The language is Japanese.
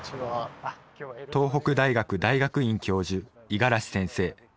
東北大学大学院教授五十嵐先生。